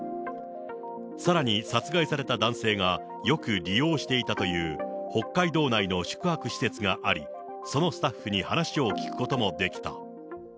さらに殺害された男性がよく利用していたという、北海道内の宿泊施設があり、そのスタッフに話を聞くこともできた。